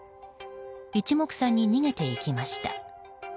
一目散に逃げていきました。